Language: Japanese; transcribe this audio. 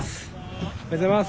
おはようございます。